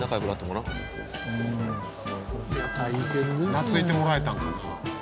懐いてもらえたんかな。